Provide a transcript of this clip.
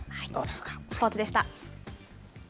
スポーツでした。